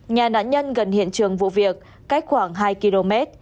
nhà nạn nhân gần hiện trường vụ việc cách khoảng hai km